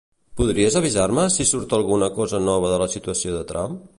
Podries avisar-me si surt alguna cosa nova de la situació de Trump?